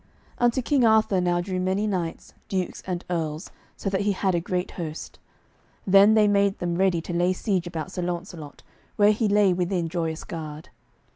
Unto King Arthur now drew many knights, dukes, and earls, so that he had a great host. Then they made them ready to lay siege about Sir Launcelot, where he lay within Joyous Gard.